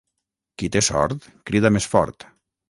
Qui té sort crida més fort.